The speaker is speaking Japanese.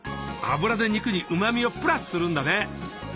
脂で肉にうまみをプラスするんだね。